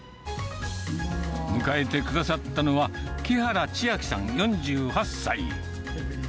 迎えてくださったのは、木原千晶さん４８歳。